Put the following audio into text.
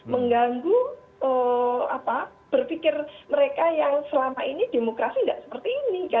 mengganggu berpikir mereka yang selama ini demokrasi tidak ada